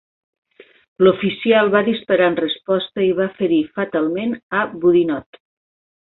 L'oficial va disparar en resposta i va ferir fatalment a Boudinot.